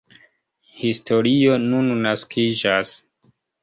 Historio nun naskiĝas.